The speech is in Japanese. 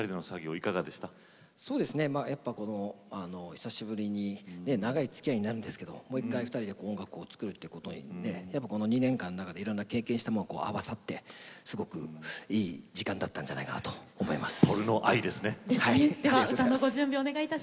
久しぶりに長いつきあいになるんですがもう１回２人で音楽を作るということで２年間の中で経験したものが合わさってすごくいい時間だったんじゃないかなと思います。